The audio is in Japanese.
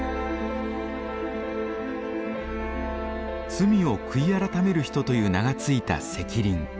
「罪を悔い改める人」という名が付いた石林。